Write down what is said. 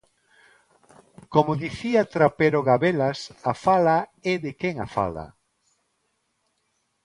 Como dicía Trapero Gabelas, a fala é de quen a fala.